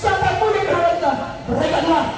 siapa pun yang berada di sana